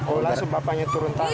oh langsung bapaknya turun tangan